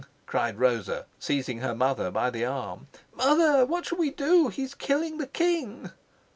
cried Rosa, seizing her mother by the arm. "Mother, what shall we do? He's killing the king!"